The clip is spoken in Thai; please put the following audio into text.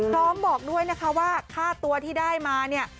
บอกด้วยนะคะว่าค่าตัวที่ได้มาเนี่ย